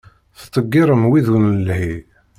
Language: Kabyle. Teddeggirem wid ur nelhi.